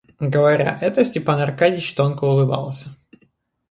Говоря это, Степан Аркадьич тонко улыбался.